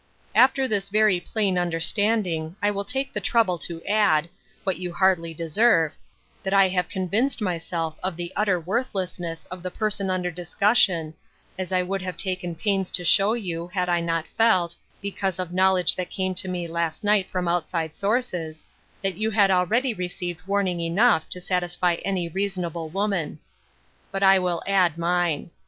" After this very plain understanding, I will take the trouble to add — what you hardly deserve — that I have convinced myself of the utter worth lessness of the person under discussion, as I would have taken pains to show you had I not felt, be cause of knowledge that came to me last night from outside sources, that you had already received warning enough to satisfy any reasonable woman ; but I will add mine.